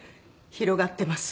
広がってます。